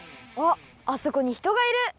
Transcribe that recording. あっあそこにひとがいる。